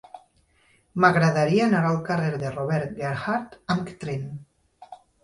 M'agradaria anar al carrer de Robert Gerhard amb tren.